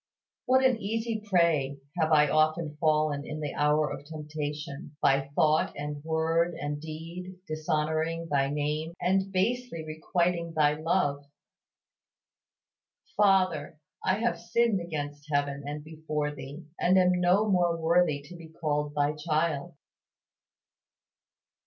What an easy prey have I often fallen in the hour of temptation by thought and word and deed dishonoring Thy name and basely requiting Thy love! Father, I have sinned against heaven and before Thee, and am no more worthy to be called Thy child!